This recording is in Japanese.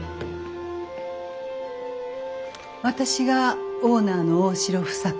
私がオーナーの大城房子。